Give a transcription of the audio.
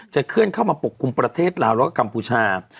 จะเคลื่อนเข้ามาปกคลุมประเทศหลาวกกัมพูชา